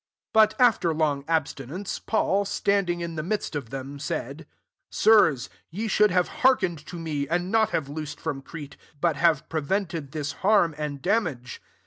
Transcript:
21 But, after long abstinence, Paul, standing in the midst of them, said, "Sirs, ye should have hearkened to me, and not have loosed from Crete, but have prevented this harm and damage.